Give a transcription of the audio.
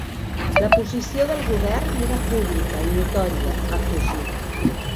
La posició del govern era pública i notòria, ha afegit.